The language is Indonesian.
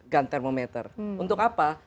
gun thermometer untuk apa